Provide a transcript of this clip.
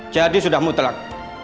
jadi sudah mutlak